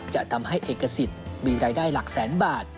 จะทำให้เอกสิทธิ์มีรายได้หลักแสนบาท